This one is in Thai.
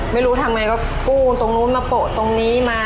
ไม่รู้ทำไงก็กู้ตรงนู้นมาโปะตรงนี้มา